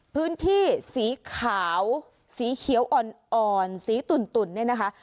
พื้นที่สีขาวสีเขียวอ่อนสีตุ่นเนี่ยนะคะ